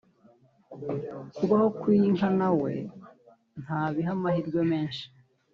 kubaho kw’iyi nka nawe ntabiha amahirwe menshi